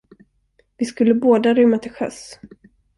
Vi skulle båda rymma till sjöss.